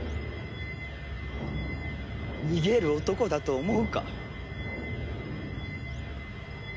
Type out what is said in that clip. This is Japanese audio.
逃げる男だと思うか？